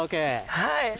はい！